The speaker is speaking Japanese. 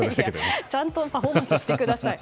ちゃんとパフォーマンスしてください。